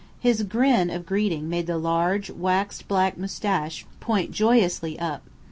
His grin of greeting made the large, waxed black moustache point joyously up.